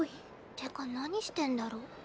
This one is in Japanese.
てか何してんだろ？